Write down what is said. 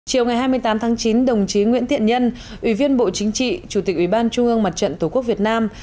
chiều ngày hai mươi tám tháng chín đồng chí nguyễn thiện nhân ủy viên bộ chính trị chủ tịch ủy ban trung ương mặt trận tổ quốc việt nam